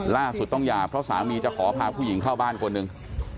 ล่าสุดต้องหย่าเพราะสามีจะขอพาผู้หญิงเข้าบ้านคนหนึ่ง